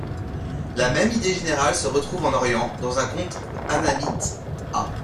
La même idée générale se retrouve en Orient, dans un conte annamite (A.